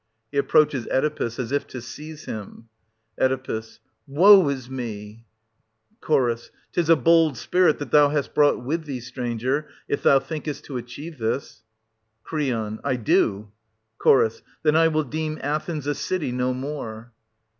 \He approaches Oedipus as if to seize him, Oe. Woe is me ! ant. Ch. 'Tis a bold spirit that thou hast brought with thee, stranger, if thou thinkest to achieve this. Cr. I do. Ch. Then will I deem Athens a city no more.